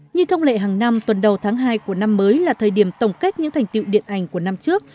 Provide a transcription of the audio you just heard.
như thông lệ hàng năm tuần đầu tháng hai của năm mới là thời điểm tổng kết những thành tiệu điện ảnh của năm trước